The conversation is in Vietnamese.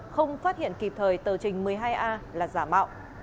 không phát hiện kịp thời tờ trình một mươi hai a là giả mạo